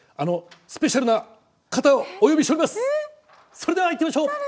それではいってみましょう。